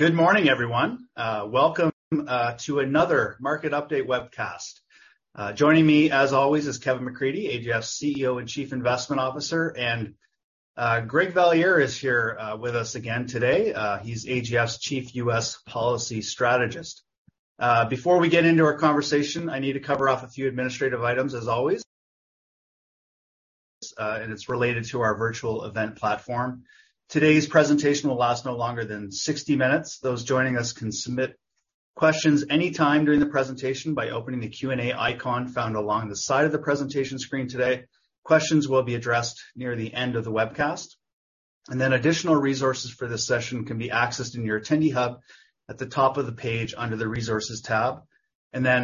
Good morning, everyone. Welcome to another market update webcast. Joining me, as always, is Kevin McCreadie, AGF's CEO and Chief Investment Officer. Greg Valliere is here with us again today. He's AGF's Chief U.S. Policy Strategist. Before we get into our conversation, I need to cover off a few administrative items as always. It's related to our virtual event platform. Today's presentation will last no longer than 60 minutes. Those joining us can submit questions any time during the presentation by opening the Q&A icon found along the side of the presentation screen today. Questions will be addressed near the end of the webcast. Additional resources for this session can be accessed in your attendee hub at the top of the page under the Resources tab.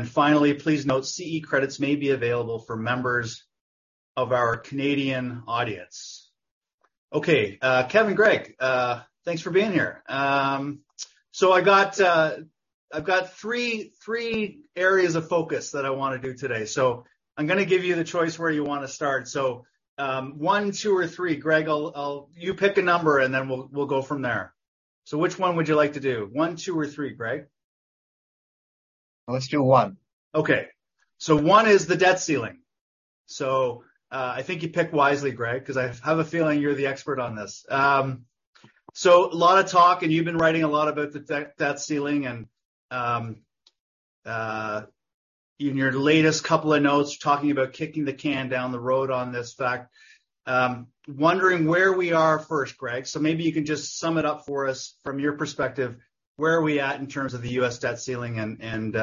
Finally, please note, CE credits may be available for members of our Canadian audience. Okay. Kevin, Greg, thanks for being here. I've got three areas of focus that I wanna do today. I'm gonna give you the choice where you wanna start. One, two, or three. Greg, You pick a number, and then we'll go from there. Which one would you like to do? One, two, or three, Greg? Let's do one. Okay. One is the debt ceiling. I think you picked wisely, Greg, 'cause I have a feeling you're the expert on this. A lot of talk, and you've been writing a lot about the debt ceiling and, even your latest couple of notes talking about kicking the can down the road on this fact. Wondering where we are first, Greg. Maybe you can just sum it up for us from your perspective, where are we at in terms of the U.S. debt ceiling and,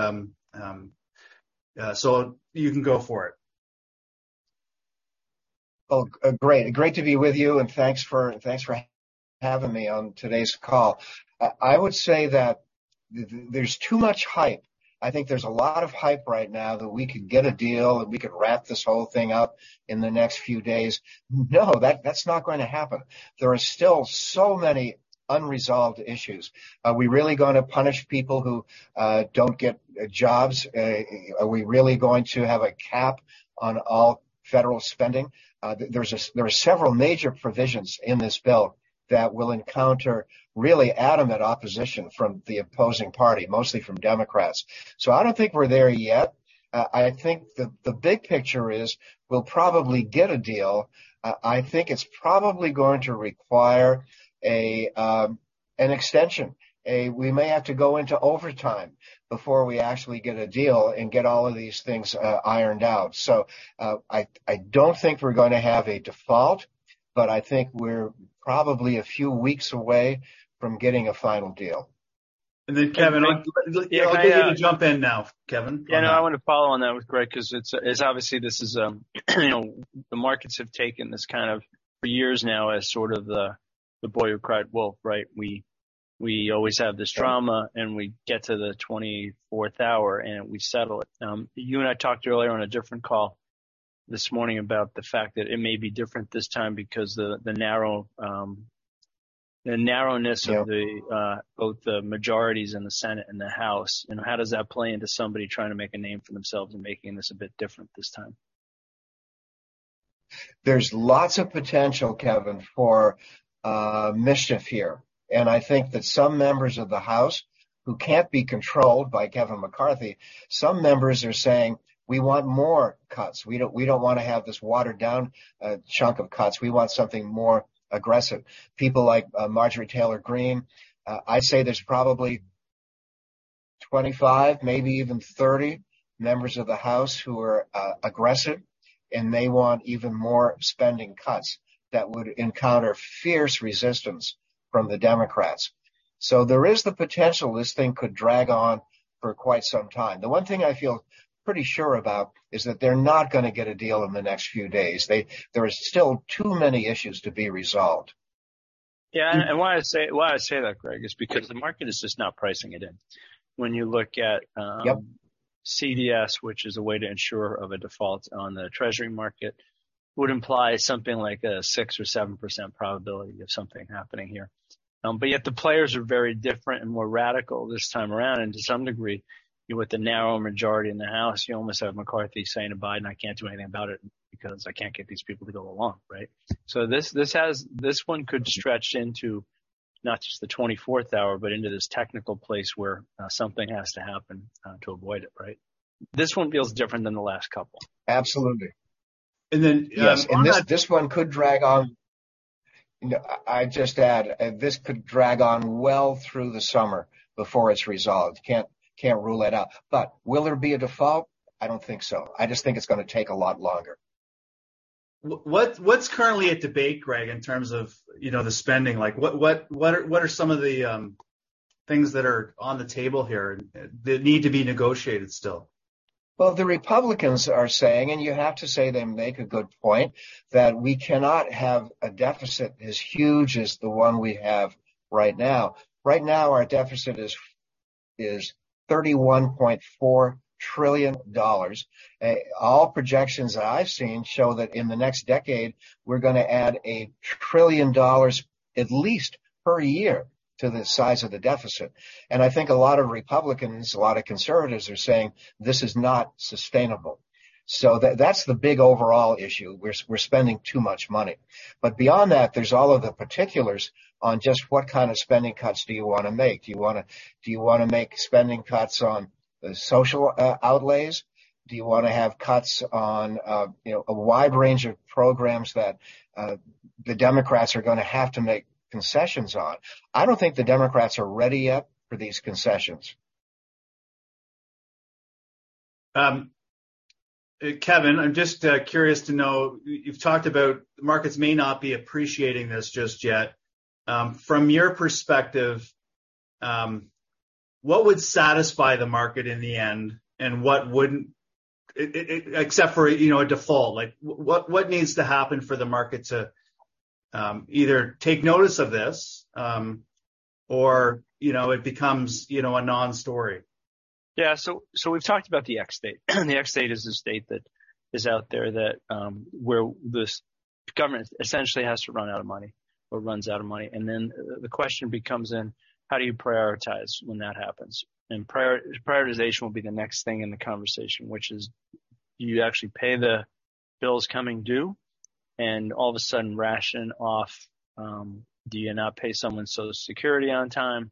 you can go for it. Great. Great to be with you, and thanks for, thanks for having me on today's call. I would say that there's too much hype. I think there's a lot of hype right now that we could get a deal, and we could wrap this whole thing up in the next few days. No, that's not gonna happen. There are still so many unresolved issues. Are we really gonna punish people who don't get jobs? Are we really going to have a cap on all federal spending? There are several major provisions in this bill that will encounter really adamant opposition from the opposing party, mostly from Democrats. I don't think we're there yet. I think the big picture is we'll probably get a deal. I think it's probably going to require an extension. We may have to go into overtime before we actually get a deal and get all of these things ironed out. I don't think we're gonna have a default, but I think we're probably a few weeks away from getting a final deal. Kevin? I'll get you to jump in now, Kevin. Yeah, no, I wanna follow on that with Greg, 'cause it's obviously this is, you know, the markets have taken this kind of for years now as sort of the boy who cried wolf, right? We always have this trauma, we get to the twenty-fourth hour, and we settle it. You and I talked earlier on a different call this morning about the fact that it may be different this time because the narrow of the, both the majorities in the Senate and the House. How does that play into somebody trying to make a name for themselves and making this a bit different this time? There's lots of potential, Kevin, for mischief here. I think that some members of the House who can't be controlled by Kevin McCarthy, some members are saying, "We want more cuts. We don't, we don't wanna have this watered down chunk of cuts. We want something more aggressive." People like Marjorie Taylor Greene. I'd say there's probably 25, maybe even 30 members of the House who are aggressive, and they want even more spending cuts that would encounter fierce resistance from the Democrats. There is the potential this thing could drag on for quite some time. The one thing I feel pretty sure about is that they're not gonna get a deal in the next few days. There are still too many issues to be resolved. Yeah. why I say that, Greg, is because the market is just not pricing it in. When you look at. CDS, which is a way to ensure of a default on the Treasury market, would imply something like a 6% or 7% probability of something happening here. Yet the players are very different and more radical this time around. To some degree, with the narrow majority in the House, you almost have McCarthy saying to Biden, "I can't do anything about it because I can't get these people to go along," right? This one could stretch into not just the 24th hour but into this technical place where something has to happen to avoid it, right? This one feels different than the last couple. Absolutely. And then. Yes. This one could drag on. You know, I'd just add, this could drag on well through the summer before it's resolved. Can't rule it out. Will there be a default? I don't think so. I just think it's gonna take a lot longer. what's currently at debate, Greg, in terms of, you know, the spending? Like, what are some of the things that are on the table here and that need to be negotiated still? The Republicans are saying, and you have to say they make a good point, that we cannot have a deficit as huge as the one we have right now. Right now, our deficit is $31.4 trillion. All projections that I've seen show that in the next decade, we're gonna add $1 trillion, at least, per year. To the size of the deficit. I think a lot of Republicans, a lot of conservatives are saying this is not sustainable. That's the big overall issue, we're spending too much money. Beyond that, there's all of the particulars on just what kind of spending cuts do you wanna make. Do you wanna make spending cuts on the social outlays? Do you wanna have cuts on, you know, a wide range of programs that the Democrats are gonna have to make concessions on? I don't think the Democrats are ready yet for these concessions. Kevin, I'm just curious to know, you've talked about the markets may not be appreciating this just yet. From your perspective, what would satisfy the market in the end, and what wouldn't? Except for, you know, a default. Like, what needs to happen for the market to either take notice of this, or, you know, it becomes, you know, a non-story? Yeah. We've talked about the X-date. The X-date is the date that is out there that, where the government essentially has to run out of money or runs out of money. The question becomes then how do you prioritize when that happens? Prioritization will be the next thing in the conversation, which is do you actually pay the bills coming due, and all of a sudden ration off, do you not pay someone's Social Security on time?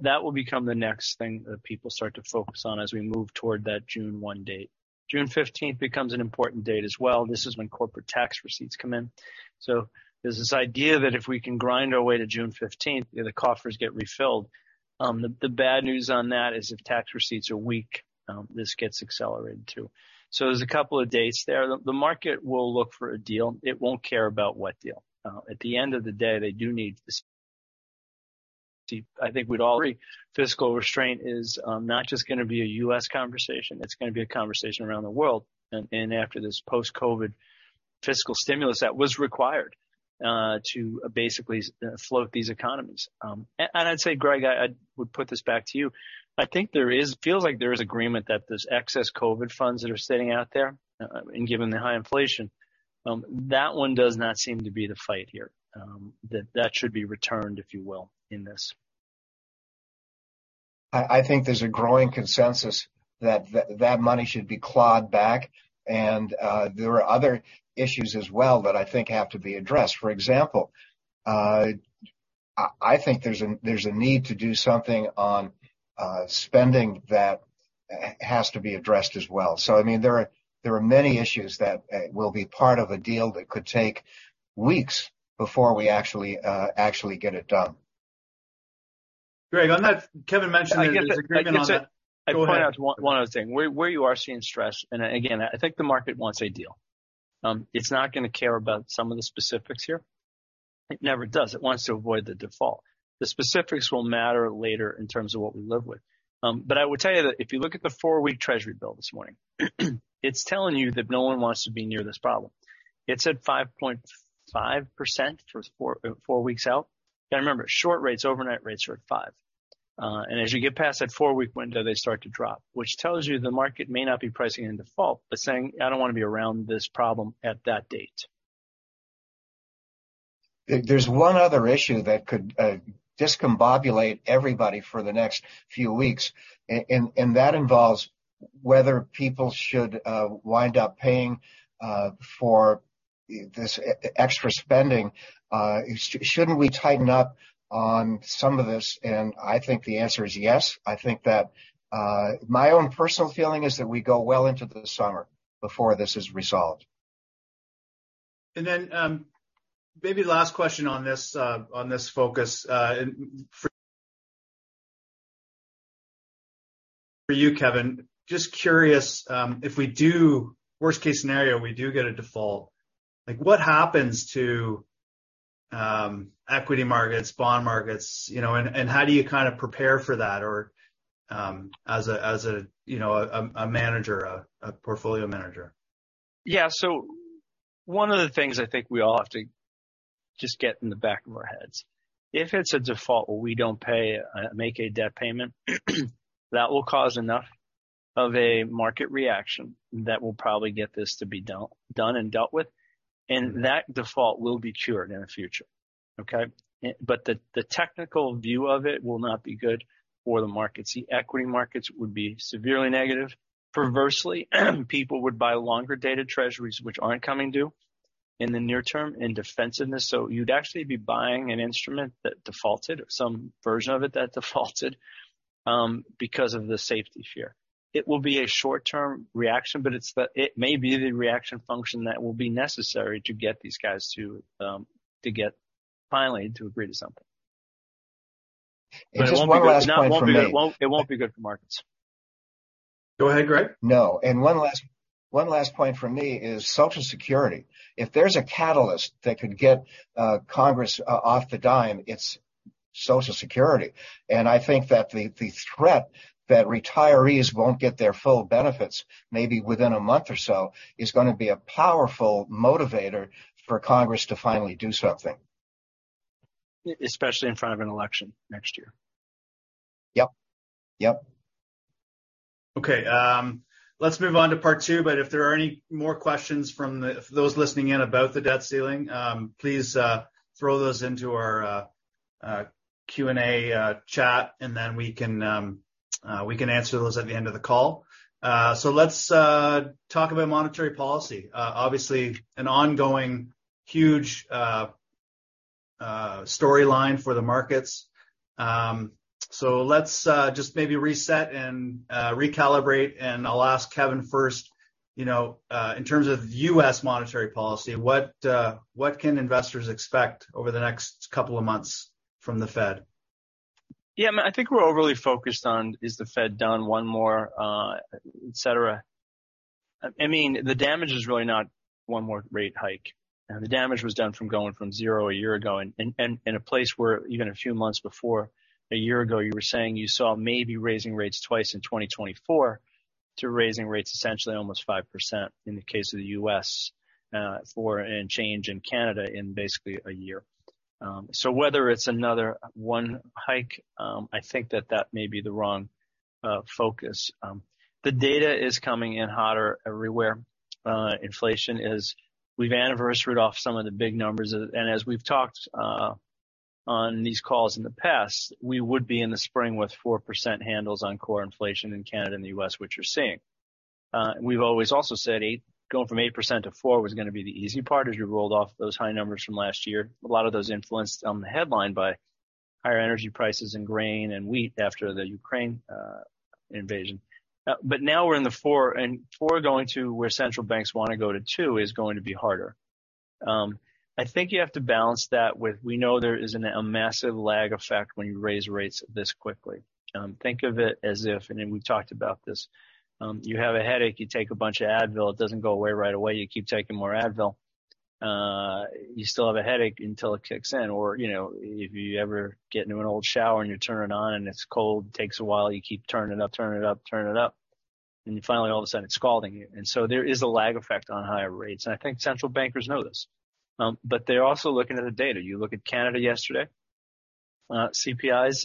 That will become the next thing that people start to focus on as we move toward that June 1 date. June 15th becomes an important date as well. This is when corporate tax receipts come in. There's this idea that if we can grind our way to June 15th, the coffers get refilled. The bad news on that is if tax receipts are weak, this gets accelerated too. There's a couple of dates there. The market will look for a deal. It won't care about what deal. At the end of the day, they do need this. I think we'd all agree, fiscal restraint is not just gonna be a U.S. conversation, it's gonna be a conversation around the world and after this post-COVID fiscal stimulus that was required to basically float these economies. I'd say, Greg, I would put this back to you. I think there is feels like there is agreement that this excess COVID funds that are sitting out there, and given the high inflation, that one does not seem to be the fight here, that should be returned, if you will, in this. I think there's a growing consensus that money should be clawed back. There are other issues as well that I think have to be addressed. For example, I think there's a need to do something on spending that has to be addressed as well. I mean, there are many issues that will be part of a deal that could take weeks before we actually get it done. Greg, on that, Kevin mentioned that there's agreement on that. I get that. Go ahead. I point out one other thing. Where you are seeing stress, and again, I think the market wants a deal, it's not gonna care about some of the specifics here. It never does. It wants to avoid the default. The specifics will matter later in terms of what we live with. I will tell you that if you look at the four-week Treasury bill this morning, it's telling you that no one wants to be near this problem. It's at 5.5% for four weeks out. Gotta remember, short rates, overnight rates are at 5%. And as you get past that four-week window, they start to drop, which tells you the market may not be pricing in default, but saying, "I don't wanna be around this problem at that date. There's one other issue that could discombobulate everybody for the next few weeks, and that involves whether people should wind up paying for this extra spending. Shouldn't we tighten up on some of this? I think the answer is yes. I think that my own personal feeling is that we go well into the summer before this is resolved. Maybe last question on this, on this focus, and for you, Kevin. Just curious, if, worst case scenario, we do get a default, like, what happens to equity markets, bond markets, you know, and how do you kinda prepare for that or, as a, you know, a manager, a portfolio manager? One of the things I think we all have to just get in the back of our heads, if it's a default where we don't pay, make a debt payment, that will cause enough of a market reaction that will probably get this to be done and dealt with. That default will be cured in the future. Okay? The technical view of it will not be good for the markets. The equity markets would be severely negative. Perversely, people would buy longer dated Treasuries, which aren't coming due in the near term in defensiveness. You'd actually be buying an instrument that defaulted or some version of it that defaulted because of the safety fear. It will be a short-term reaction, but it may be the reaction function that will be necessary to get these guys to get finally to agree to something. Just one last point from me. It won't be good. No, it won't be, it won't be good for markets. Go ahead, Greg. No. One last point from me is Social Security. If there's a catalyst that could get Congress off the dime, it's Social Security. I think that the threat that retirees won't get their full benefits, maybe within a month or so, is gonna be a powerful motivator for Congress to finally do something. Especially in front of an election next year. Okay, let's move on to part two. If there are any more questions from those listening in about the debt ceiling, please throw those into our Q&A chat, and then we can answer those at the end of the call. Let's talk about monetary policy. Obviously, an ongoing huge storyline for the markets. Let's just maybe reset and recalibrate, and I'll ask Kevin first, you know, in terms of U.S. monetary policy, what can investors expect over the next couple of months from the Fed? Yeah, I think we're overly focused on, is the Fed done one more, et cetera. I mean, the damage is really not one more rate hike. The damage was done from going from zero a year ago, and a place where even a few months before a year ago, you were saying you saw maybe raising rates twice in 2024 to raising rates essentially almost 5% in the case of the U.S., four and change in Canada in basically a year. Whether it's another one hike, I think that that may be the wrong focus. The data is coming in hotter everywhere. Inflation is. We've anniversaried off some of the big numbers. As we've talked on these calls in the past, we would be in the spring with 4% handles on core inflation in Canada and the U.S., which you're seeing. We've always also said going from 8% to 4% was gonna be the easy part as you rolled off those high numbers from last year. A lot of those influenced the headline by higher energy prices in grain and wheat after the Ukraine invasion. Now we're in the 4%, and 4% going to where central banks wanna go to 2% is going to be harder. I think you have to balance that with we know there is a massive lag effect when you raise rates this quickly. Think of it as if, and then we've talked about this, you have a headache, you take a bunch of Advil, it doesn't go away right away. You keep taking more Advil. You still have a headache until it kicks in. Or, you know, if you ever get into an old shower, and you turn it on and it's cold, it takes a while. You keep turning it up, turn it up, turn it up, and finally all of a sudden it's scalding you. There is a lag effect on higher rates, and I think central bankers know this. But they're also looking at the data. You look at Canada yesterday, CPI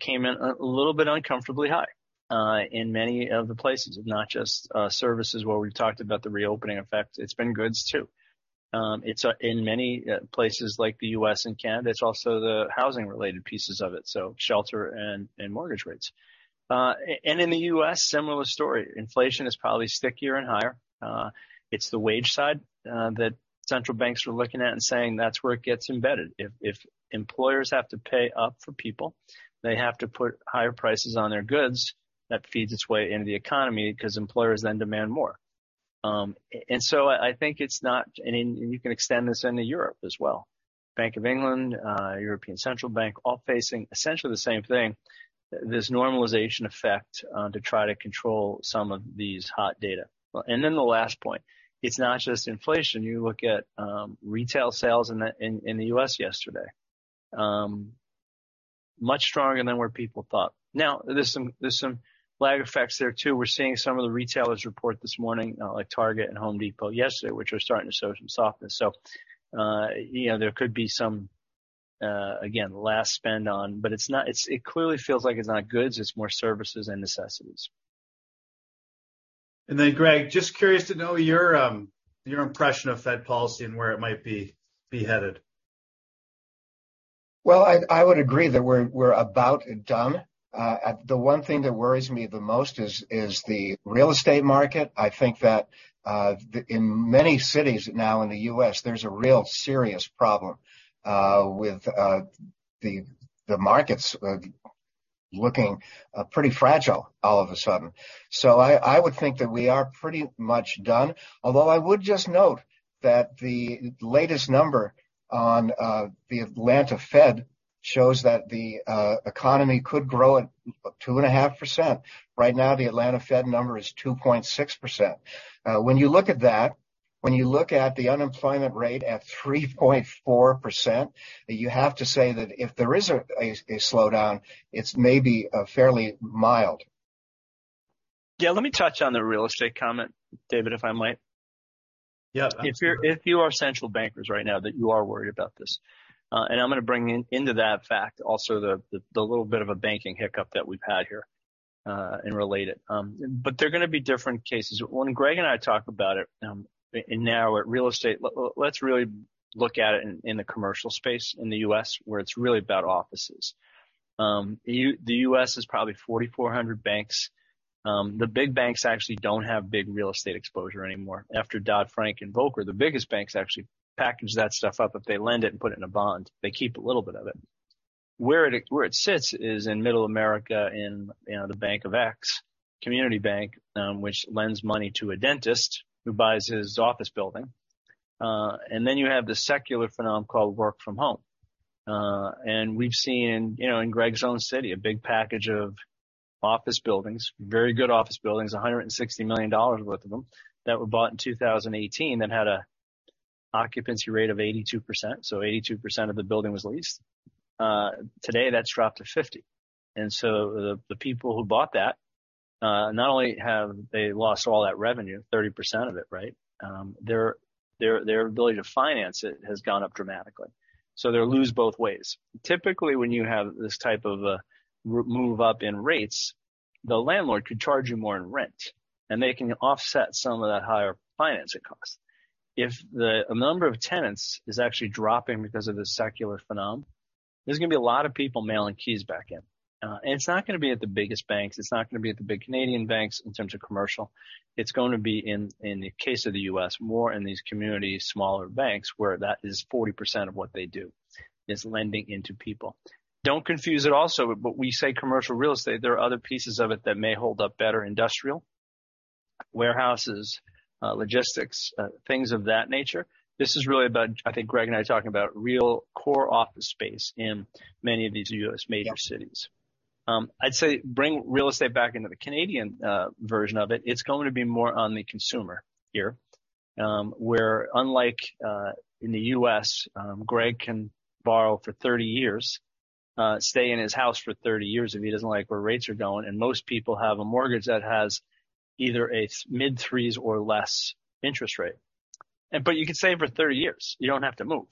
came in a little bit uncomfortably high in many of the places, not just services where we've talked about the reopening effect. It's been goods too. It's in many places like the U.S. and Canada, it's also the housing-related pieces of it, so shelter and mortgage rates. In the U.S., similar story. Inflation is probably stickier and higher. It's the wage side that central banks are looking at and saying that's where it gets embedded. If employers have to pay up for people, they have to put higher prices on their goods, that feeds its way into the economy 'cause employers then demand more. I think it's not... You can extend this into Europe as well. Bank of England, European Central Bank, all facing essentially the same thing, this normalization effect to try to control some of these hot data. The last point, it's not just inflation. You look at retail sales in the U.S. yesterday, much stronger than where people thought. Now, there's some, there's some lag effects there too. We're seeing some of the retailers report this morning, like Target and Home Depot yesterday, which are starting to show some softness. You know, there could be some, again, last spend on. It clearly feels like it's not goods, it's more services and necessities. Greg, just curious to know your impression of Fed policy and where it might be headed. Well, I would agree that we're about done. The one thing that worries me the most is the real estate market. I think that in many cities now in the U.S., there's a real serious problem with the markets looking pretty fragile all of a sudden. I would think that we are pretty much done. Although I would just note that the latest number on the Atlanta Fed shows that the economy could grow at 2.5%. Right now, the Atlanta Fed number is 2.6%. When you look at that, when you look at the unemployment rate at 3.4%, you have to say that if there is a slowdown, it's maybe fairly mild. Yeah. Let me touch on the real estate comment, David, if I might. If you are central bankers right now, then you are worried about this. I'm gonna bring into that fact also the little bit of a banking hiccup that we've had here and relate it. They're gonna be different cases. When Greg and I talk about it, now at real estate, let's really look at it in the commercial space in the U.S. where it's really about offices. The U.S. has probably 4,400 banks. The big banks actually don't have big real estate exposure anymore. After Dodd-Frank and Volcker, the biggest banks actually package that stuff up, but they lend it and put it in a bond. They keep a little bit of it. Where it sits is in Middle America, in, you know, the Bank of X community bank, which lends money to a dentist who buys his office building. You have the secular phenomenon called work from home. We've seen, you know, in Greg's own city, a big package of office buildings, very good office buildings, $160 million worth of them, that were bought in 2018 and had a occupancy rate of 82%. 82% of the building was leased. Today, that's dropped to 50. The people who bought that, not only have they lost all that revenue, 30% of it, right? Their ability to finance it has gone up dramatically. They lose both ways. Typically, when you have this type of a move up in rates. The landlord could charge you more in rent, they can offset some of that higher financing costs. If the number of tenants is actually dropping because of this secular phenomenon, there's gonna be a lot of people mailing keys back in. It's not gonna be at the biggest banks. It's not gonna be at the big Canadian banks in terms of commercial. It's gonna be in the case of the U.S., more in these community smaller banks, where that is 40% of what they do, is lending into people. Don't confuse it also, but we say commercial real estate, there are other pieces of it that may hold up better. Industrial, warehouses, logistics, things of that nature. This is really about, I think Greg and I are talking about real core office space in many of these U.S. major cities. I'd say bring real estate back into the Canadian version of it. It's going to be more on the consumer here, where unlike in the U.S., Greg can borrow for 30 years, stay in his house for 30 years if he doesn't like where rates are going. Most people have a mortgage that has either a mid-3% or less interest rate. You can stay for 30 years. You don't have to move.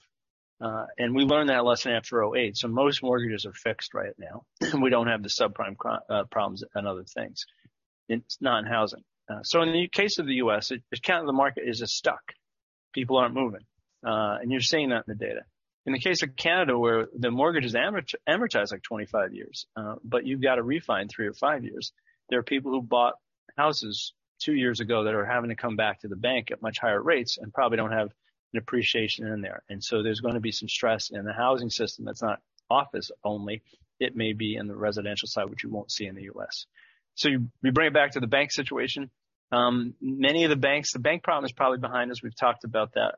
We learned that lesson after '08. Most mortgages are fixed right now. We don't have the subprime problems and other things. It's non-housing. In the case of the U.S., it's kind of the market is just stuck. People aren't moving. You're seeing that in the data. In the case of Canada, where the mortgage is amortized like 25 years, you've got to refi in 3 or 5 years, there are people who bought houses 2 years ago that are having to come back to the bank at much higher rates and probably don't have an appreciation in there. There's gonna be some stress in the housing system that's not office only. It may be in the residential side, which you won't see in the U.S.. We bring it back to the bank situation. The bank problem is probably behind us. We've talked about that.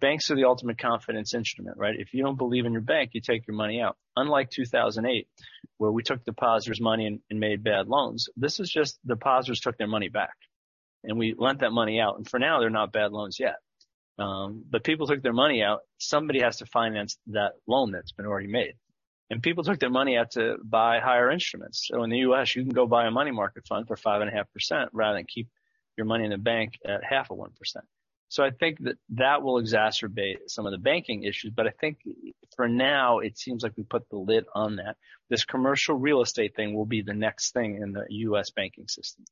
Banks are the ultimate confidence instrument, right? If you don't believe in your bank, you take your money out. Unlike 2008, where we took depositors' money and made bad loans, this is just depositors took their money back, and we lent that money out. For now, they're not bad loans yet. But people took their money out. Somebody has to finance that loan that's been already made. People took their money out to buy higher instruments. In the U.S., you can go buy a money market fund for 5.5% rather than keep your money in a bank at 0.5%. I think that that will exacerbate some of the banking issues, but I think for now, it seems like we put the lid on that. This commercial real estate thing will be the next thing in the U.S. banking system.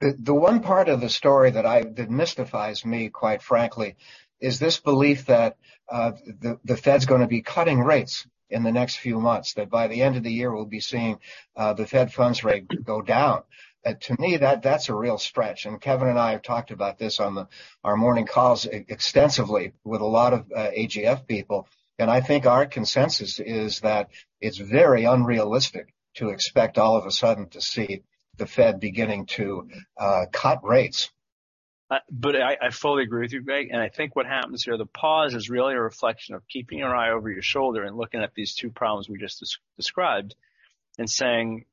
The one part of the story that mystifies me, quite frankly, is this belief that the Fed's gonna be cutting rates in the next few months, that by the end of the year, we'll be seeing the federal funds rate go down. To me, that's a real stretch. Kevin and I have talked about this on our morning calls extensively with a lot of AGF people. I think our consensus is that it's very unrealistic to expect all of a sudden to see the Fed beginning to cut rates. I fully agree with you, Greg, and I think what happens here, the pause is really a reflection of keeping your eye over your shoulder and looking at these two problems we just described and saying,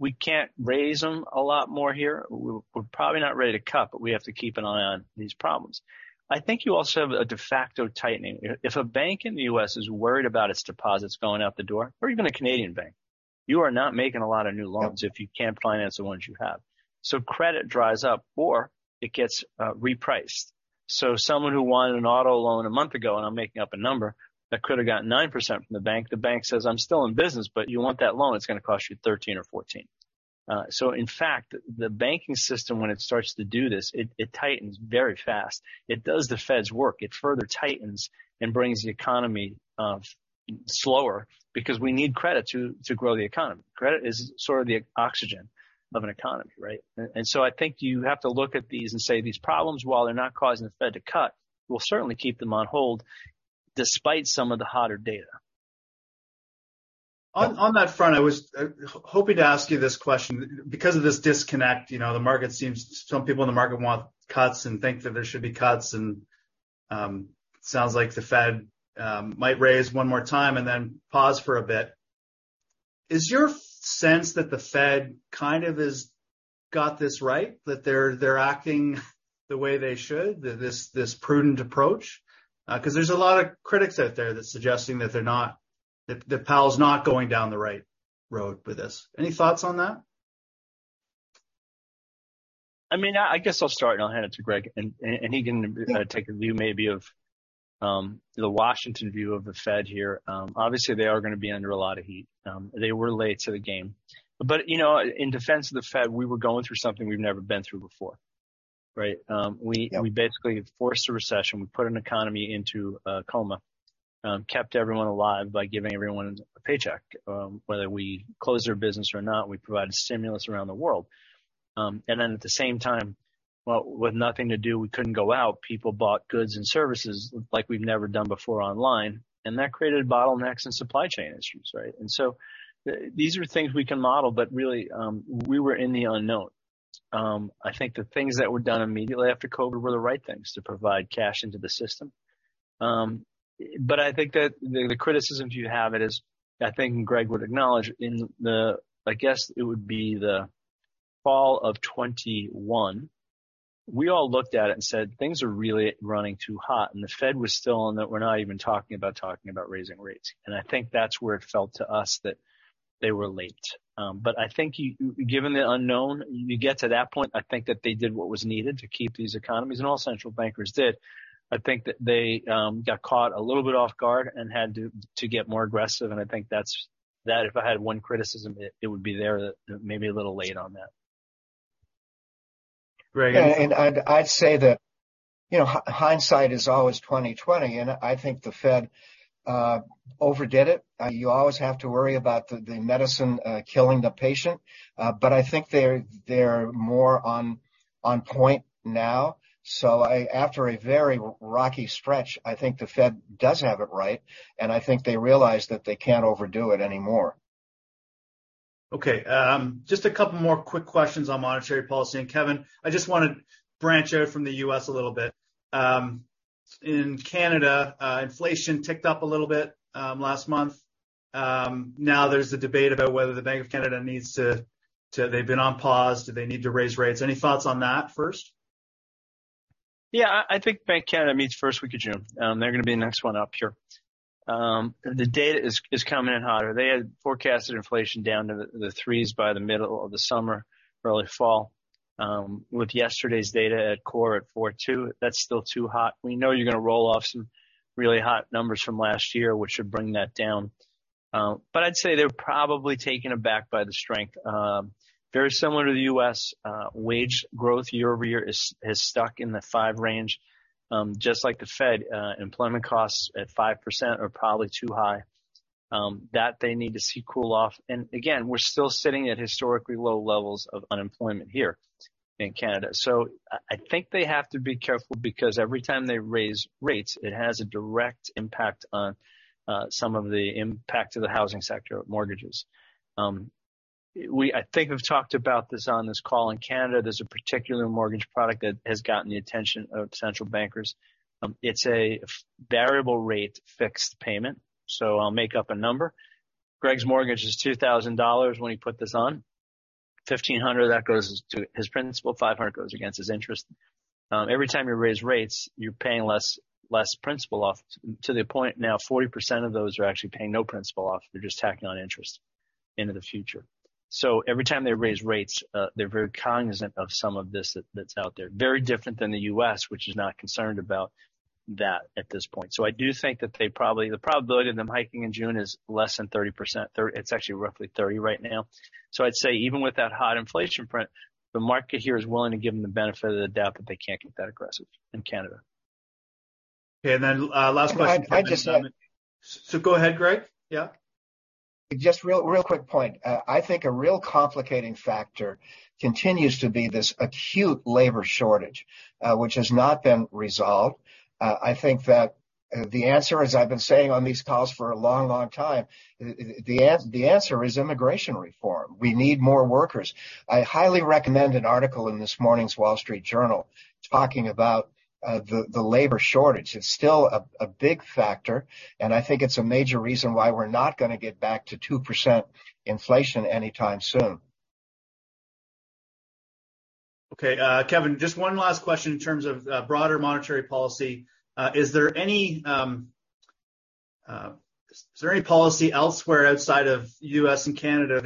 we can't raise them a lot more here. We're probably not ready to cut, we have to keep an eye on these problems. I think you also have a de facto tightening. If a bank in the U.S. is worried about its deposits going out the door, or even a Canadian bank, you are not making a lot of new loans. if you can't finance the ones you have. Credit dries up or it gets repriced. Someone who wanted an auto loan a month ago, and I'm making up a number, that could have gotten 9% from the bank. The bank says, "I'm still in business, but you want that loan, it's gonna cost you 13% or 14%." In fact, the banking system, when it starts to do this, it tightens very fast. It does the Fed's work. It further tightens and brings the economy slower because we need credit to grow the economy. Credit is sort of the oxygen of an economy, right? I think you have to look at these and say these problems, while they're not causing the Fed to cut, will certainly keep them on hold despite some of the hotter data. On that front, I was hoping to ask you this question. This disconnect, you know, the market seems. Some people in the market want cuts and think that there should be cuts, and sounds like the Fed might raise 1 more time and then pause for a bit. Is your sense that the Fed kind of has got this right, that they're acting the way they should, this prudent approach? Because there's a lot of critics out there that's suggesting that they're not. That Powell's not going down the right road with this. Any thoughts on that? I mean, I guess I'll start, and I'll hand it to Greg. take a view maybe of the Washington view of the Fed here. They are gonna be under a lot of heat. They were late to the game. You know, in defense of the Fed, we were going through something we've never been through before, right? We basically forced a recession. We put an economy into a coma. kept everyone alive by giving everyone a paycheck. whether we closed our business or not, we provided stimulus around the world. at the same time, well, with nothing to do, we couldn't go out. People bought goods and services like we've never done before online, and that created bottlenecks and supply chain issues, right? These are things we can model, but really, we were in the unknown. I think the things that were done immediately after COVID were the right things to provide cash into the system. I think that the criticisms you have, it is, I think Greg would acknowledge in the, I guess it would be the fall of 2021, we all looked at it and said, "Things are really running too hot." The Fed was still on that, "We're not even talking about talking about raising rates." I think that's where it felt to us that they were late. I think given the unknown, you get to that point, I think that they did what was needed to keep these economies, and all central bankers did. I think that they got caught a little bit off guard and had to get more aggressive. I think that's, if I had one criticism, it would be there, maybe a little late on that. I'd say that, you know, hindsight is always 20/20. I think the Fed overdid it. You always have to worry about the medicine killing the patient. I think they're more on point now. After a very rocky stretch, I think the Fed does have it right, and I think they realize that they can't overdo it anymore. Okay. Just a couple more quick questions on monetary policy. Kevin, I just wanna branch out from the U.S. a little bit. In Canada, inflation ticked up a little bit last month. There's a debate about whether the Bank of Canada needs to. They've been on pause. Do they need to raise rates? Any thoughts on that first? Yeah. I think Bank of Canada meets first week of June. They're gonna be the next one up here. The data is coming in hotter. They had forecasted inflation down to the 3% by the middle of the summer, early fall. With yesterday's data at core at 4.2, that's still too hot. We know you're gonna roll off some really hot numbers from last year, which should bring that down. I'd say they're probably taken aback by the strength. Very similar to the U.S., wage growth year-over-year is stuck in the 5% range. Just like the Fed, employment costs at 5% are probably too high. That they need to see cool off. Again, we're still sitting at historically low levels of unemployment here in Canada. I think they have to be careful because every time they raise rates, it has a direct impact on some of the impact to the housing sector of mortgages. I think we've talked about this on this call. In Canada, there's a particular mortgage product that has gotten the attention of central bankers. It's a variable-rate fixed-payment. I'll make up a number. Greg's mortgage is $2,000 when he put this on. $1,500, that goes to his principal, $500 goes against his interest. Every time you raise rates, you're paying less, less principal off, to the point now 40% of those are actually paying no principal off. They're just tacking on interest into the future. Every time they raise rates, they're very cognizant of some of this that's out there. Very different than the U.S., which is not concerned about that at this point. I do think that the probability of them hiking in June is less than 30%. It's actually roughly 30 right now. I'd say even with that high inflation print, the market here is willing to give them the benefit of the doubt that they can't get that aggressive in Canada. Okay. Last question. I'd just. Go ahead, Greg. Yeah. Just real quick point. I think a real complicating factor continues to be this acute labor shortage, which has not been resolved. I think that the answer, as I've been saying on these calls for a long time, the answer is immigration reform. We need more workers. I highly recommend an article in this morning's Wall Street Journal talking about the labor shortage. It's still a big factor, and I think it's a major reason why we're not gonna get back to 2% inflation anytime soon. Okay. Kevin, just one last question in terms of broader monetary policy. Is there any policy elsewhere outside of U.S. and Canada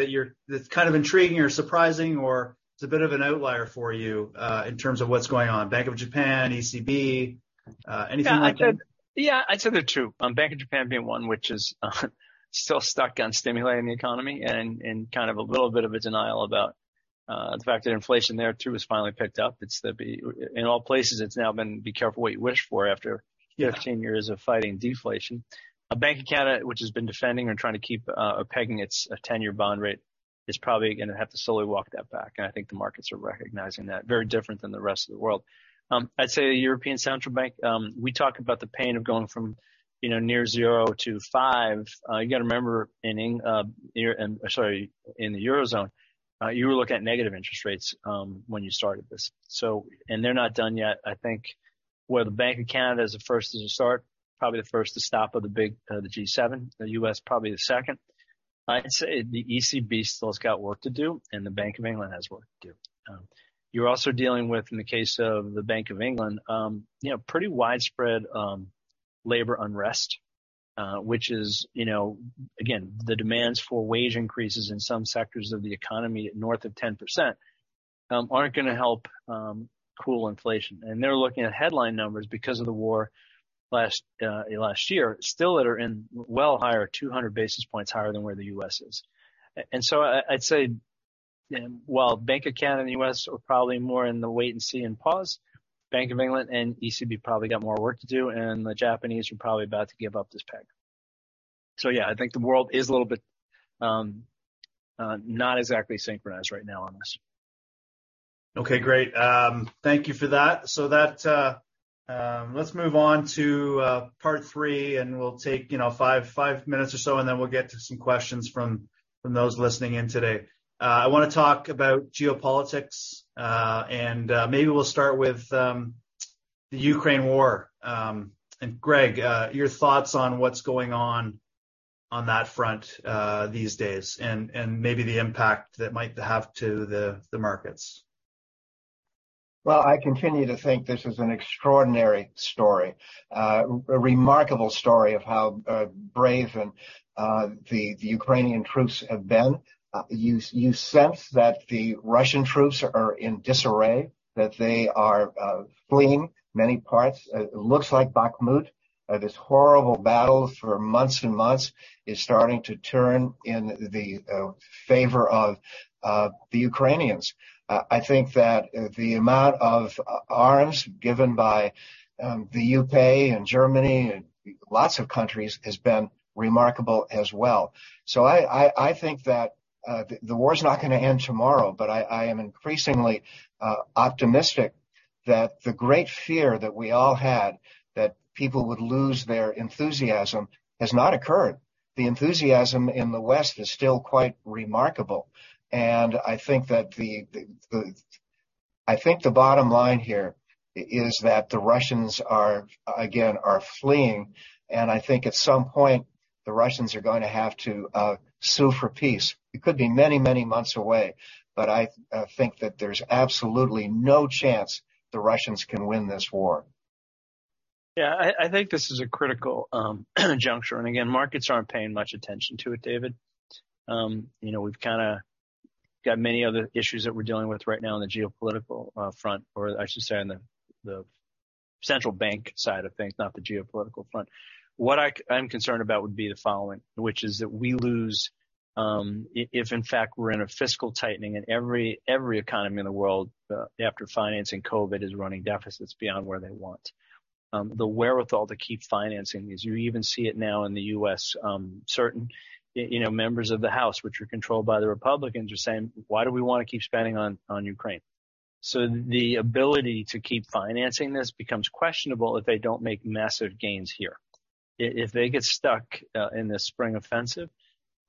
that's kind of intriguing or surprising or is a bit of an outlier for you in terms of what's going on? Bank of Japan, ECB, anything like that? Yeah. I'd say there are two. Bank of Japan being one, which is still stuck on stimulating the economy and in kind of a little bit of a denial about the fact that inflation there too has finally picked up. In all places it's now been be careful what you wish for after 15 years of fighting deflation. Bank of Canada, which has been defending or trying to keep, or pegging its 10-year bond rate, is probably gonna have to slowly walk that back, and I think the markets are recognizing that. Very different than the rest of the world. I'd say the European Central Bank, we talk about the pain of going from, you know, near zero to five. You gotta remember I'm sorry, in the Eurozone, you were looking at negative interest rates, when you started this. They're not done yet. I think where the Bank of Canada is the first to start, probably the first to stop of the big, the G7. The U.S. probably the second. I'd say the ECB still has got work to do, and the Bank of England has work to do. You're also dealing with, in the case of the Bank of England, you know, pretty widespread labor unrest, which is, you know, again, the demands for wage increases in some sectors of the economy north of 10%, aren't gonna help cool inflation. They're looking at headline numbers because of the war last year, still that are well higher, 200 basis points higher than where the U.S. is. I'd say, while Bank of Canada and the U.S. are probably more in the wait and see and pause, Bank of England and ECB probably got more work to do, and the Japanese are probably about to give up this peg. Yeah, I think the world is a little bit, not exactly synchronized right now on this. Okay, great. Thank you for that. Let's move on to part three, and we'll take, you know, five minutes or so, and then we'll get to some questions from those listening in today. I wanna talk about geopolitics, and maybe we'll start with the Ukraine war. Greg, your thoughts on what's going on on that front, these days and maybe the impact that might have to the markets. I continue to think this is an extraordinary story. A remarkable story of how brave and the Ukrainian troops have been. You sense that the Russian troops are in disarray, that they are fleeing many parts. It looks like Bakhmut, this horrible battle for months and months is starting to turn in the favor of the Ukrainians. I think that the amount of arms given by the U.K. and Germany and lots of countries has been remarkable as well. I think that the war's not gonna end tomorrow, but I am increasingly optimistic that the great fear that we all had, that people would lose their enthusiasm, has not occurred. The enthusiasm in the West is still quite remarkable. I think that the, I think the bottom line here is that the Russians are, again, fleeing. I think at some point, the Russians are gonna have to sue for peace. It could be many, many months away, but I think that there's absolutely no chance the Russians can win this war. Yeah. I think this is a critical juncture, and again, markets aren't paying much attention to it, David. You know, we've kinda got many other issues that we're dealing with right now in the geopolitical front, or I should say in the central bank side of things, not the geopolitical front. What I'm concerned about would be the following, which is that we lose, if in fact we're in a fiscal tightening in every economy in the world, after financing COVID is running deficits beyond where they want. The wherewithal to keep financing these, you even see it now in the U.S. Certain, you know, members of the House, which are controlled by the Republicans, are saying, "Why do we wanna keep spending on Ukraine?" The ability to keep financing this becomes questionable if they don't make massive gains here. If they get stuck in this spring offensive,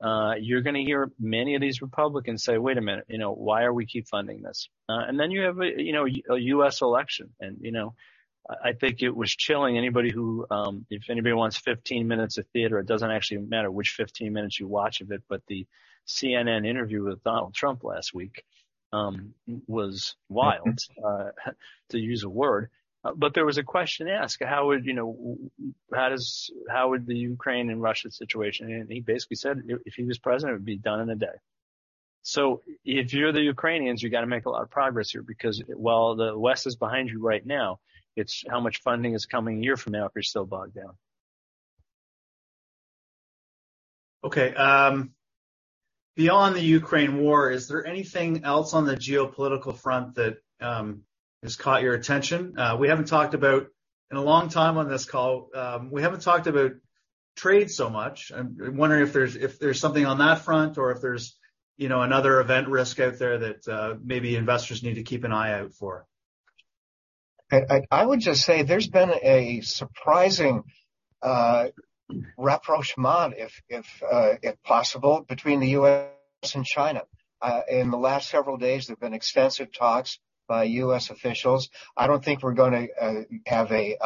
you're gonna hear many of these Republicans say, "Wait a minute, you know, why are we keep funding this?" Then you have a, you know, a U.S. election and, you know. I think it was chilling. Anybody who, if anybody wants 15 minutes of theater, it doesn't actually matter which 15 minutes you watch of it, the CNN interview with Donald Trump last week, was wild to use a word. There was a question asked, "How would you know, how does, how would the Ukraine and Russia situation..." He basically said if he was president, it would be done in a day. If you're the Ukrainians, you gotta make a lot of progress here because while the West is behind you right now, it's how much funding is coming a year from now if you're still bogged down. Okay. Beyond the Ukraine war, is there anything else on the geopolitical front that has caught your attention? We haven't talked about, in a long time on this call, we haven't talked about trade so much. I'm wondering if there's something on that front or if there's, you know, another event risk out there that maybe investors need to keep an eye out for. I would just say there's been a surprising rapprochement if possible between the U.S. and China. In the last several days, there have been extensive talks by U.S. officials. I don't think we're gonna have a,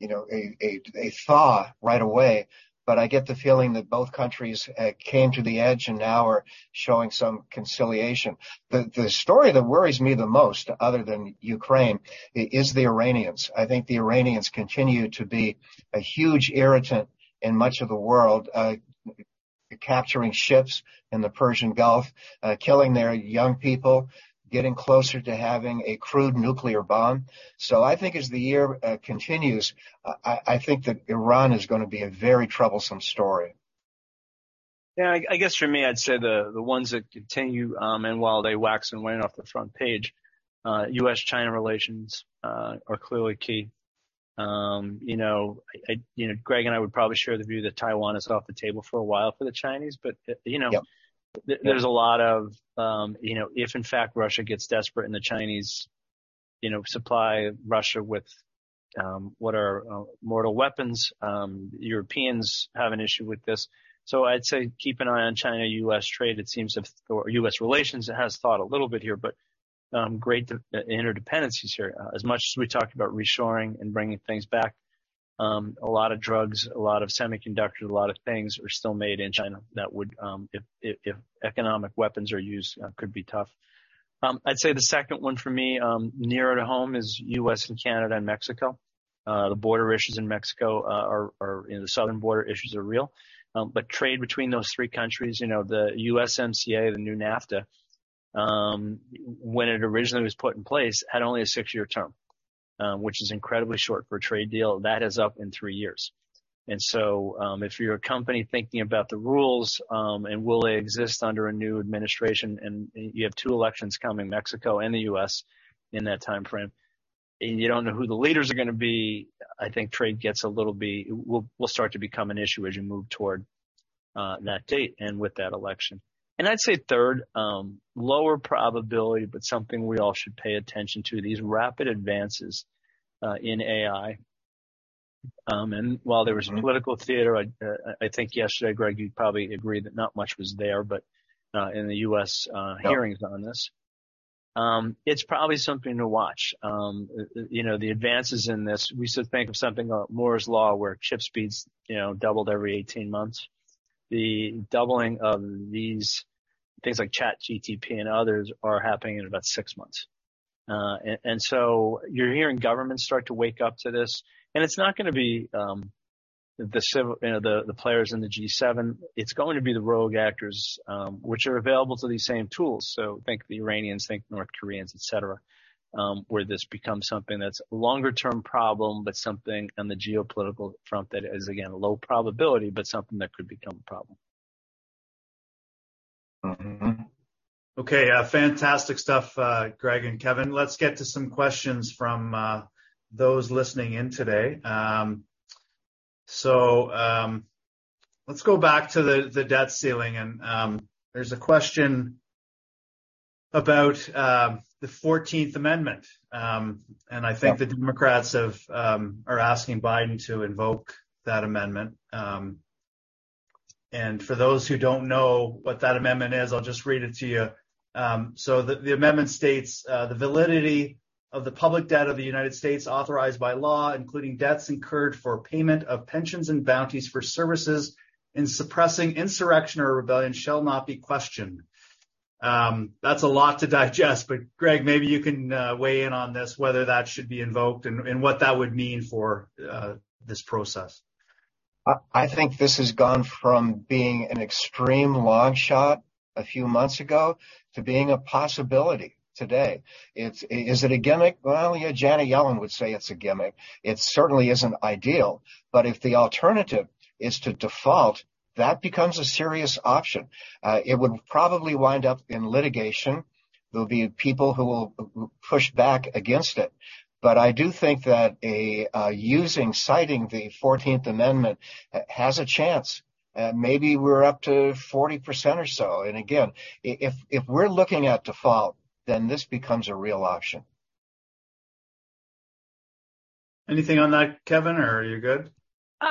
you know, a thaw right away, but I get the feeling that both countries came to the edge and now are showing some conciliation. The story that worries me the most, other than Ukraine, is the Iranians. I think the Iranians continue to be a huge irritant in much of the world. Capturing ships in the Persian Gulf, killing their young people, getting closer to having a crude nuclear bomb. I think as the year continues, I think that Iran is gonna be a very troublesome story. Yeah. I guess for me, I'd say the ones that continue, and while they wax and wane off the front page, U.S.-China relations are clearly key. You know, Greg and I would probably share the view that Taiwan is off the table for a while for the Chinese, but you know. There's a lot of, you know. If in fact Russia gets desperate and the Chinese, you know, supply Russia with what are mortar weapons, Europeans have an issue with this. I'd say keep an eye on China-U.S. trade. It seems to or U.S. relations. It has thawed a little bit here, but great interdependencies here. As much as we talked about reshoring and bringing things back, a lot of drugs, a lot of semiconductors, a lot of things are still made in China that would, if economic weapons are used, could be tough. I'd say the second one for me, nearer to home is U.S. and Canada and Mexico. The border issues in Mexico, you know, southern border issues are real. Trade between those three countries, you know, the USMCA, the new NAFTA, when it originally was put in place, had only a six-year term, which is incredibly short for a trade deal. That is up in three years. If you're a company thinking about the rules, and will they exist under a new administration, and you have two elections coming, Mexico and the U.S., in that timeframe, and you don't know who the leaders are gonna be, I think trade gets a little will start to become an issue as you move toward that date and with that election. I'd say third, lower probability, but something we all should pay attention to, these rapid advances in AI. While there was political theater, I think yesterday, Greg, you'd probably agree that not much was there, but in the U.S. hearings on this. It's probably something to watch. You know, the advances in this, we used to think of something like Moore's Law, where chip speeds, you know, doubled every 18 months. The doubling of these things like ChatGPT and others are happening in about six months. You're hearing governments start to wake up to this. It's not gonna be, you know, the players in the G7. It's going to be the rogue actors, which are available to these same tools. Think the Iranians, think North Koreans, et cetera, where this becomes something that's a longer-term problem, but something on the geopolitical front that is, again, low probability, but something that could become a problem. Okay. fantastic stuff, Greg and Kevin. Let's get to some questions from those listening in today. Let's go back to the debt ceiling and there's a question about the Fourteenth Amendment. I think the Democrats have are asking Biden to invoke that amendment. For those who don't know what that amendment is, I'll just read it to you. The amendment states, "The validity of the public debt of the United States authorized by law, including debts incurred for payment of pensions and bounties for services in suppressing insurrection or rebellion, shall not be questioned." That's a lot to digest, but Greg, maybe you can weigh in on this, whether that should be invoked and what that would mean for this process. I think this has gone from being an extreme long shot a few months ago to being a possibility today. Is it a gimmick? Well, yeah, Janet Yellen would say it's a gimmick. It certainly isn't ideal. If the alternative is to default, that becomes a serious option. It would probably wind up in litigation. There'll be people who will push back against it. I do think that citing the Fourteenth Amendment has a chance. Maybe we're up to 40% or so. Again, if we're looking at default, then this becomes a real option. Anything on that, Kevin, or are you good? A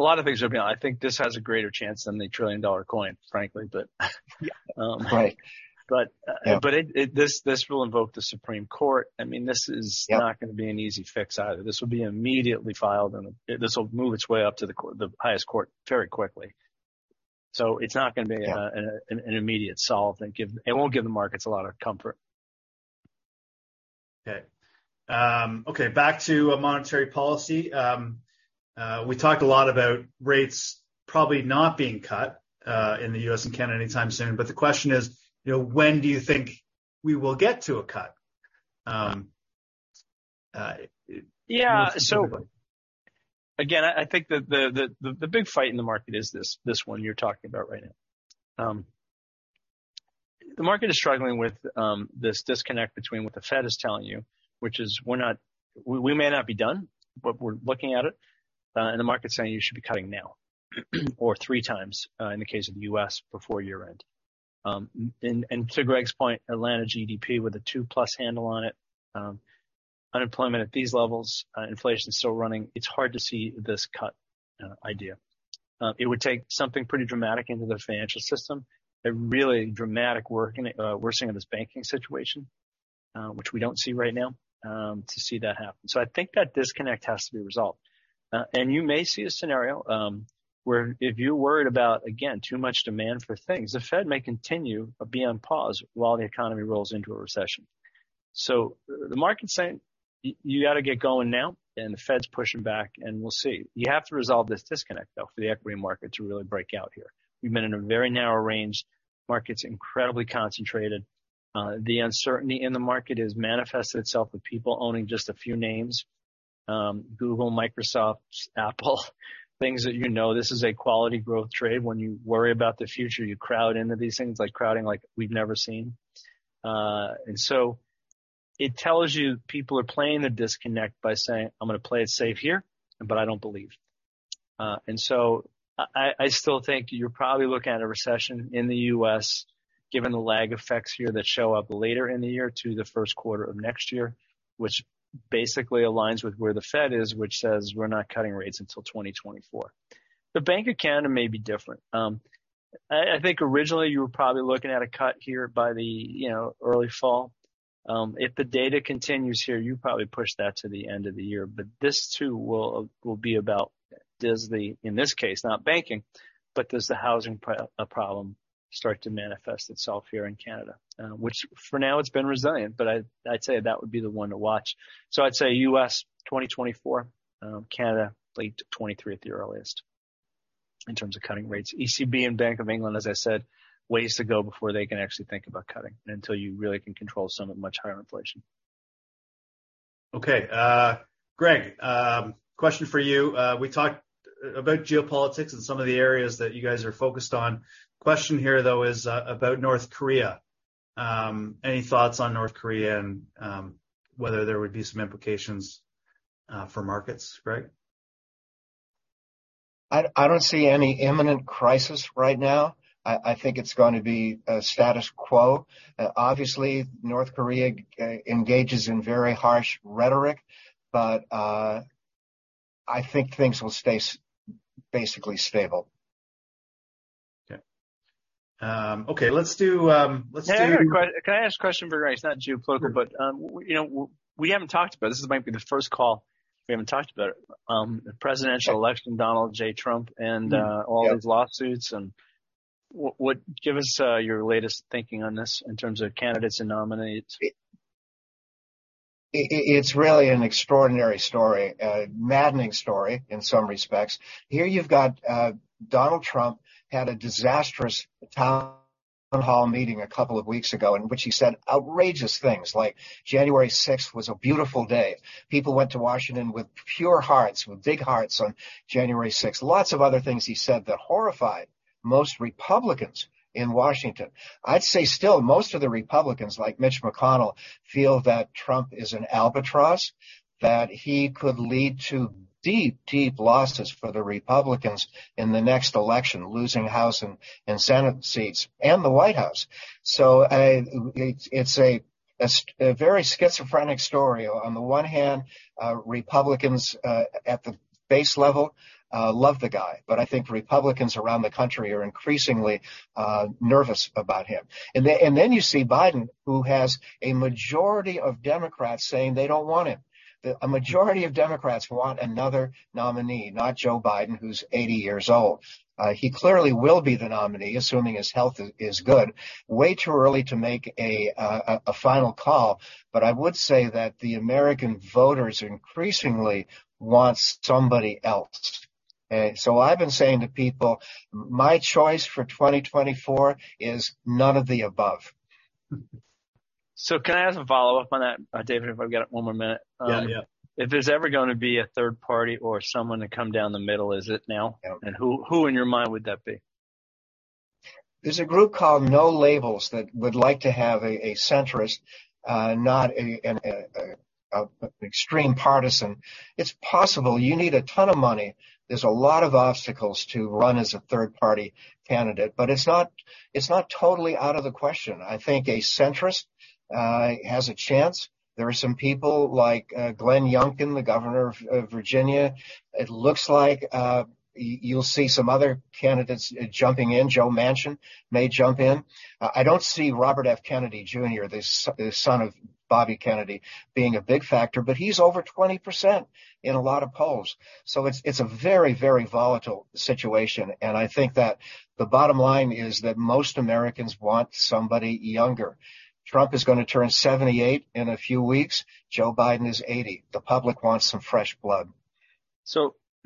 lot of things will be on. I think this has a greater chance than the trillion-dollar coin, frankly. This will invoke the Supreme Court. I mean, this is not gonna be an easy fix either. This will be immediately filed and this will move its way up to the court, the highest court very quickly. It's not gonna be an immediate solve. It won't give the markets a lot of comfort. Okay. Okay, back to monetary policy. We talked a lot about rates probably not being cut in the U.S. and Canada anytime soon. The question is, you know, when do you think we will get to a cut? Again, I think the big fight in the market is this one you're talking about right now. The market is struggling with this disconnect between what the Fed is telling you, which is we may not be done, but we're looking at it. The market's saying you should be cutting now. Three times, in the case of the U.S., before year-end. To Greg's point, Atlanta GDP with a 2-plus handle on it, unemployment at these levels, inflation still running, it's hard to see this cut idea. It would take something pretty dramatic into the financial system, a really dramatic worsening of this banking situation, which we don't see right now, to see that happen. I think that disconnect has to be resolved. You may see a scenario where if you're worried about, again, too much demand for things, the Fed may continue or be on pause while the economy rolls into a recession. The market's saying you gotta get going now, and the Fed's pushing back, and we'll see. You have to resolve this disconnect, though, for the equity market to really break out here. We've been in a very narrow range. Market's incredibly concentrated. The uncertainty in the market has manifested itself with people owning just a few names, Google, Microsoft, Apple, things that you know. This is a quality growth trade. When you worry about the future, you crowd into these things, like crowding like we've never seen. It tells you people are playing the disconnect by saying, "I'm gonna play it safe here, but I don't believe." I still think you're probably looking at a recession in the U.S., given the lag effects here that show up later in the year to the first quarter of next year, which basically aligns with where the Fed is, which says we're not cutting rates until 2024. The Bank of Canada may be different. I think originally you were probably looking at a cut here by the, you know, early fall. If the data continues here, you probably push that to the end of the year. This too will be about does the in this case, not banking, but does the housing problem start to manifest itself here in Canada? Which for now it's been resilient, but I'd say that would be the one to watch. I'd say U.S., 2024. Canada, late 2023 at the earliest in terms of cutting rates. ECB and Bank of England, as I said, ways to go before they can actually think about cutting, until you really can control some of much higher inflation. Okay. Greg, question for you. We talked about geopolitics and some of the areas that you guys are focused on. Question here, though, is about North Korea. Any thoughts on North Korea and whether there would be some implications for markets, Greg? I don't see any imminent crisis right now. I think it's gonna be a status quo. Obviously, North Korea engages in very harsh rhetoric, but I think things will stay basically stable. Okay. Okay, let's do. Can I ask a question very quick? It's not geopolitical, but, you know, we haven't talked about this. This might be the first call. We haven't talked about it. The presidential election, Donald J. Trump and all his lawsuits and. Give us your latest thinking on this in terms of candidates and nominees. It's really an extraordinary story. A maddening story in some respects. Here you've got Donald Trump had a disastrous town hall meeting a couple of weeks ago in which he said outrageous things like, "January 6th was a beautiful day. People went to Washington with pure hearts, with big hearts on January 6th." Lots of other things he said that horrified most Republicans in Washington. I'd say still, most of the Republicans, like Mitch McConnell, feel that Trump is an albatross, that he could lead to deep, deep losses for the Republicans in the next election, losing House and Senate seats and the White House. It's a very schizophrenic story. On the one hand, Republicans at the base level love the guy, but I think Republicans around the country are increasingly nervous about him. You see Biden, who has a majority of Democrats saying they don't want him. A majority of Democrats want another nominee, not Joe Biden, who's 80 years old. He clearly will be the nominee, assuming his health is good. Way too early to make a final call, but I would say that the American voters increasingly want somebody else. I've been saying to people, my choice for 2024 is none of the above. Can I ask a follow-up on that, David, if I've got one more minute? If there's ever gonna be a third party or someone to come down the middle, is it now? Who in your mind would that be? There's a group called No Labels that would like to have a centrist, not a, an, a extreme partisan. It's possible. You need a ton of money. There's a lot of obstacles to run as a third-party candidate, but it's not, it's not totally out of the question. I think a centrist has a chance. There are some people like Glenn Youngkin, the governor of Virginia. It looks like you'll see some other candidates jumping in. Joe Manchin may jump in. I don't see Robert F. Kennedy Jr., the son of Bobby Kennedy, being a big factor, but he's over 20% in a lot of polls. It's a very, very volatile situation, and I think that the bottom line is that most Americans want somebody younger. Trump is gonna turn 78 in a few weeks. Joe Biden is 80. The public wants some fresh blood.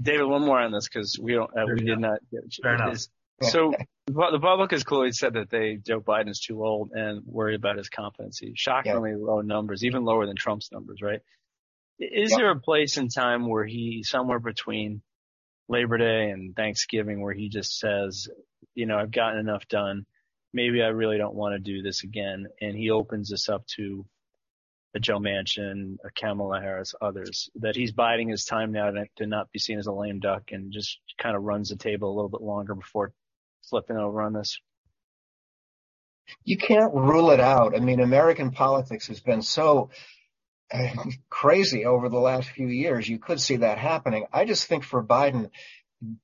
David, one more on this 'cause we don't. Sure. We did not get a chance. Fair enough. The public has clearly said Joe Biden is too old and worried about his competency. Shockingly low numbers, even lower than Trump's numbers, right? Is there a place and time where he, somewhere between Labor Day and Thanksgiving, where he just says, "You know, I've gotten enough done. Maybe I really don't wanna do this again"? He opens this up to a Joe Manchin, a Kamala Harris, others. That he's biding his time now to not be seen as a lame duck and just kinda runs the table a little bit longer before flipping over on this. You can't rule it out. I mean, American politics has been so crazy over the last few years. You could see that happening. I just think for Biden,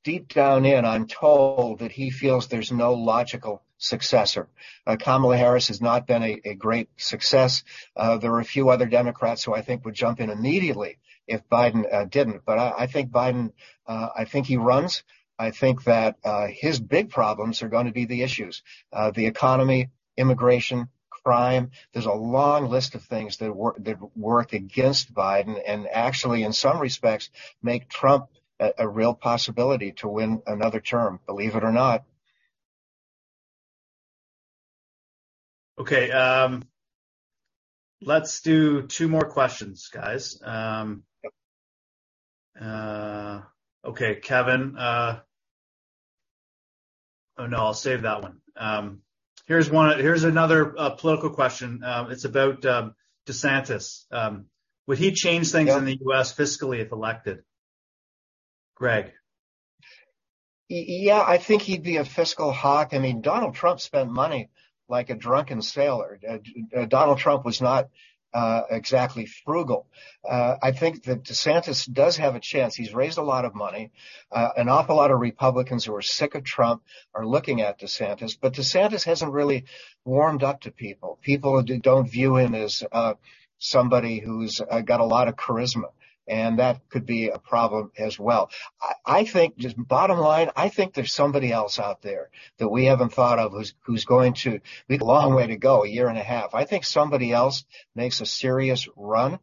deep down in, I'm told that he feels there's no logical successor. Kamala Harris has not been a great success. There are a few other Democrats who I think would jump in immediately if Biden didn't. I think Biden, I think he runs. I think that his big problems are gonna be the issues. The economy, immigration, crime. There's a long list of things that work against Biden, and actually, in some respects, make Trump a real possibility to win another term, believe it or not. Okay, let's do two more questions, guys. Okay, Kevin... Oh, no, I'll save that one. Here's another political question. It's about DeSantis. Would he change things in the U.S. fiscally if elected? Greg. Yeah, I think he'd be a fiscal hawk. I mean, Donald Trump spent money like a drunken sailor. Donald Trump was not exactly frugal. I think that DeSantis does have a chance. He's raised a lot of money. An awful lot of Republicans who are sick of Trump are looking at DeSantis, but DeSantis hasn't really warmed up to people. People don't view him as somebody who's got a lot of charisma, and that could be a problem as well. I think, just bottom line, I think there's somebody else out there that we haven't thought of. We've a long way to go, a year and a half. I think somebody else makes a serious run.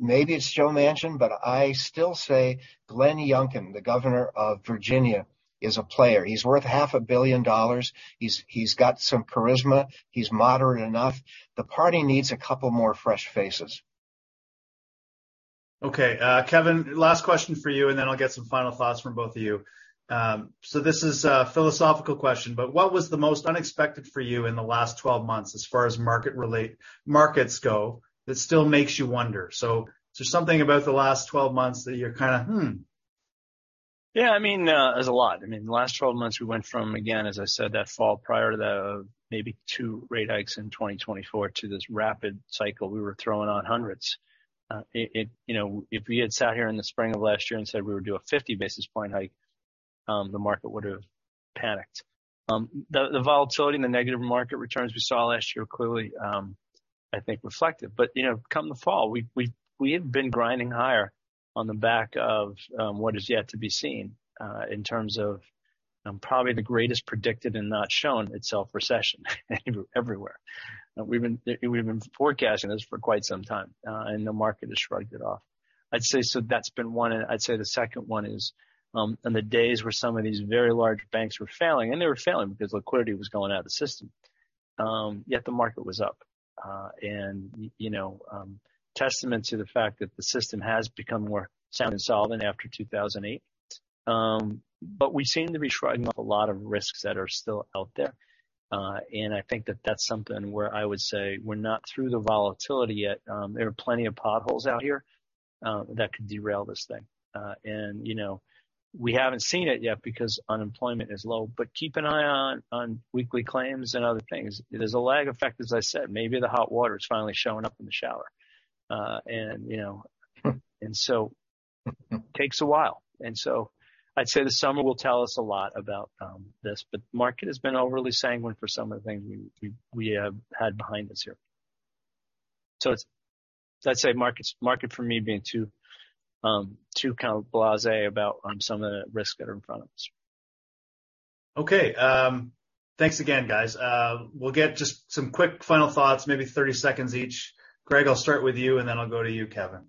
Maybe it's Joe Manchin, but I still say Glenn Youngkin, the Governor of Virginia, is a player. He's worth half a billion dollars. He's got some charisma. He's moderate enough. The party needs a couple more fresh faces. Okay, Kevin, last question for you. Then I'll get some final thoughts from both of you. This is a philosophical question, but what was the most unexpected for you in the last 12 months as far as markets go, that still makes you wonder? Is there something about the last 12 months that you're kinda, "Hmm"? Yeah, I mean, there's a lot. I mean, the last 12 months we went from, again, as I said, that fall prior to the maybe two rate hikes in 2024 to this rapid cycle we were throwing on hundreds. It, you know, if we had sat here in the spring of last year and said we would do a 50 basis point hike, the market would've panicked. The volatility and the negative market returns we saw last year clearly, I think reflected. You know, come the fall, we have been grinding higher on the back of what is yet to be seen, in terms of probably the greatest predicted and not shown itself recession everywhere. We've been forecasting this for quite some time, the market has shrugged it off. I'd say that's been one. I'd say the second one is, in the days where some of these very large banks were failing, they were failing because liquidity was going out of the system, yet the market was up. You know, testament to the fact that the system has become more sound and solid after 2008. We seem to be shrugging off a lot of risks that are still out there. I think that that's something where I would say we're not through the volatility yet. There are plenty of potholes out here that could derail this thing. You know, we haven't seen it yet because unemployment is low, but keep an eye on weekly claims and other things. There's a lag effect, as I said. Maybe the hot water is finally showing up in the shower. you know, takes a while. I'd say the summer will tell us a lot about this, but market has been overly sanguine for some of the things we have had behind us here. I'd say market for me being too kind of blase about some of the risks that are in front of us. Okay. Thanks again, guys. We'll get just some quick final thoughts, maybe 30 seconds each. Greg, I'll start with you, and then I'll go to you, Kevin.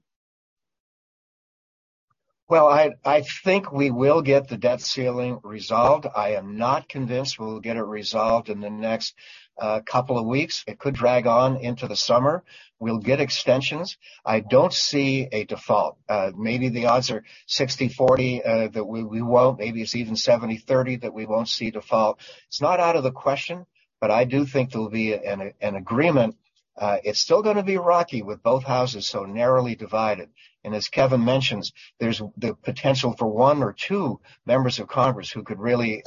Well, I think we will get the debt ceiling resolved. I am not convinced we'll get it resolved in the next couple of weeks. It could drag on into the summer. We'll get extensions. I don't see a default. Maybe the odds are 60/40 that we won't. Maybe it's even 70/30 that we won't see default. It's not out of the question, but I do think there'll be an agreement. It's still gonna be rocky with both Houses so narrowly divided. As Kevin mentions, there's the potential for one or two members of Congress who could really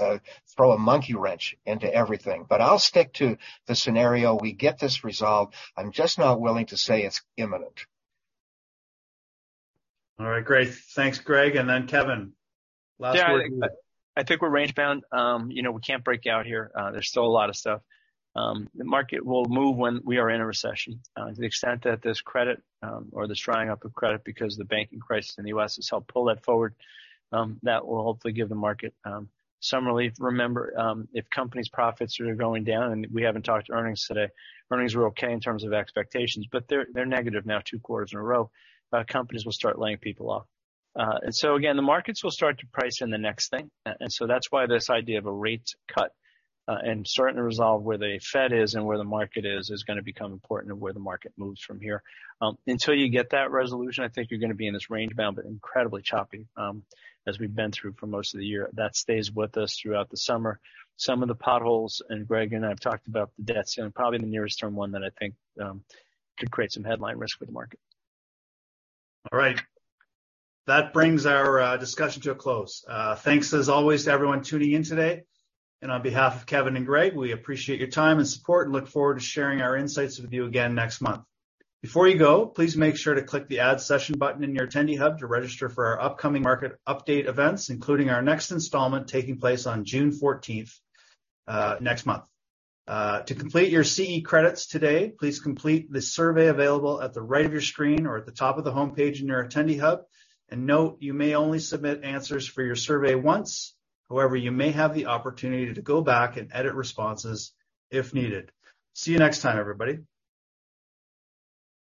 throw a monkey wrench into everything. I'll stick to the scenario we get this resolved. I'm just not willing to say it's imminent. All right, great. Thanks, Greg. Kevin, last word from you. Yeah. I think we're range bound. You know, we can't break out here. There's still a lot of stuff. The market will move when we are in a recession. To the extent that this credit, or this drying up of credit because the banking crisis in the U.S. has helped pull that forward, that will hopefully give the market some relief. Remember, if companies' profits are going down, and we haven't talked earnings today, earnings were okay in terms of expectations, but they're negative now 2 quarters in a row. Companies will start laying people off. Again, the markets will start to price in the next thing. That's why this idea of a rate cut, and starting to resolve where the Fed is and where the market is gonna become important to where the market moves from here. Until you get that resolution, I think you're gonna be in this range bound, but incredibly choppy, as we've been through for most of the year. That stays with us throughout the summer. Some of the potholes, and Greg and I have talked about the debt ceiling, probably the nearest term one that I think, could create some headline risk for the market. All right. That brings our discussion to a close. Thanks as always to everyone tuning in today. On behalf of Kevin and Greg, we appreciate your time and support and look forward to sharing our insights with you again next month. Before you go, please make sure to click the Add Session button in your Attendee Hub to register for our upcoming market update events, including our next installment taking place on June 14th next month. To complete your CE credits today, please complete the survey available at the right of your screen or at the top of the homepage in your Attendee Hub. Note, you may only submit answers for your survey once. However, you may have the opportunity to go back and edit responses if needed. See you next time, everybody.